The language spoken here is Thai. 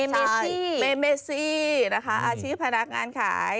เมเมซี่ชีพพนักงานขาย